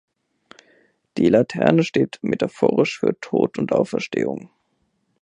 Die Laterne steht metaphorisch für Tod und Auferstehung.